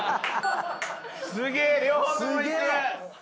すげえな。